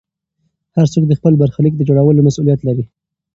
هر څوک د خپل برخلیک د جوړولو مسوولیت لري.